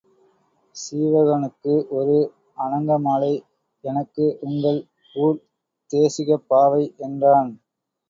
சீவகனுக்கு ஒரு அநங்கமாலை எனக்கு உங்கள் ஊர்த் தேசிகப் பாவை என்றான்.